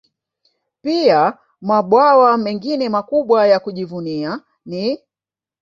Pia mabwawa mengine makubwa ya kujivunia ni